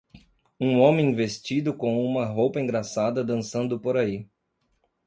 Um homem vestido com uma roupa engraçada dançando por aí.